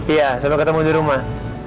iya sampai ketemu dirumah